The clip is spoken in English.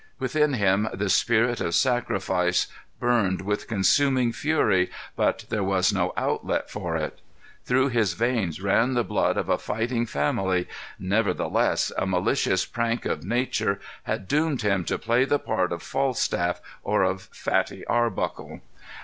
Within him the spirit of sacrifice burned with consuming fury, but there was no outlet for it. Through his veins ran the blood of a fighting family; nevertheless, a malicious prank of nature had doomed him to play the part of Falstaff or of Fatty Arbuckle.